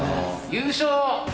優勝！